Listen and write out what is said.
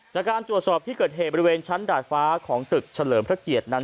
จากการตรวจสอบที่เกิดเหตุบริเวณชั้นดาดฟ้าของตึกเฉลิมพระเกียรตินั้น